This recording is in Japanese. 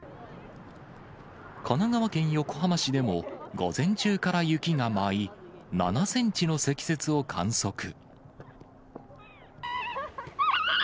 神奈川県横浜市でも、午前中から雪が舞い、７センチの積雪を観測。